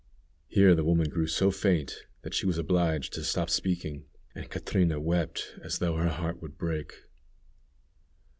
Here the woman grew so faint that she was obliged to stop speaking, and Catrina wept as though her heart would break.